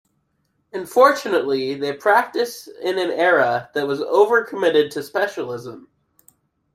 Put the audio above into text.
Unfortunately, they practiced in an era that was over-committed to specialism.